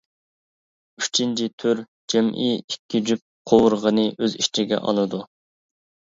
ئۈچىنچى تۈر: جەمئىي ئىككى جۈپ قوۋۇرغىنى ئۆز ئىچىگە ئالىدۇ.